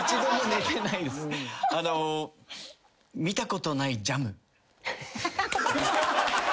見たことないジャム！？